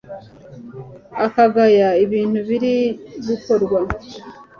akagaya ibintu biri gukorwa